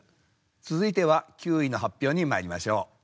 続いては９位の発表にまいりましょう。